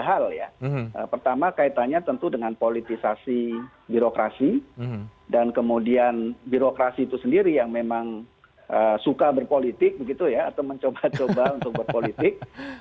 hal ya pertama kaitannya tentu dengan politisasi birokrasi dan kemudian birokrasi itu sendiri yang memang suka berpolitik begitu ya atau mencoba coba untuk berpolitik